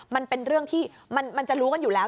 มันเป็นเรื่องที่มันจะรู้กันอยู่แล้ว